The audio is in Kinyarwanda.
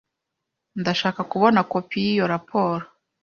Ndashaka kubona kopi yiyo raporo.